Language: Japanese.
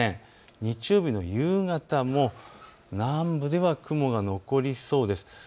日曜日の夕方も南部では雲が残りそうです。